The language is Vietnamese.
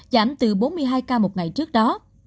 giảm từ bốn mươi hai ca một ngày trước đó